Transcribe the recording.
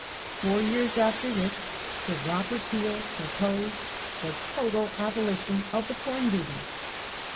Four years after this Sir Robert Peel proposed the total abolition of the com duties.